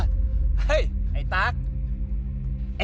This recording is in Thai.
น้ำ